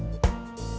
gak apa tau